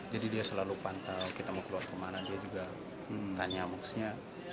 jadi dia selalu pantau kita mau keluar kemana dia juga tanya maksudnya